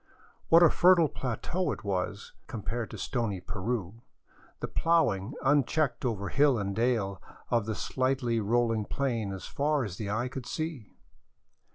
What a fertile plateau it was, compared to stony Peru, the plowing unchecked over hill and dale of the slightly rolling plain as far as the eye could see